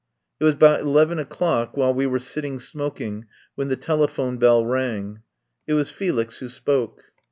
It was about eleven o'clock, while we were sitting smoking, when the telephone bell rang. It was Felix who spoke.